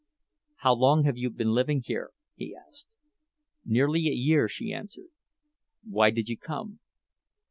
"How long have you been living here?" he asked. "Nearly a year," she answered. "Why did you come?"